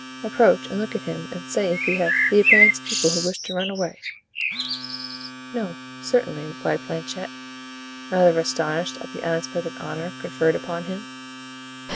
Approach and look at him and say if we have the appearance of people who wish to run away." "No, certainly," replied Planchet, rather astonished at the unexpected honor conferred upon him.